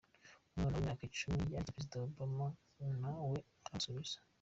Umwana w’imyaka Icumi yandikiye Perezida Obama na we aramusubiza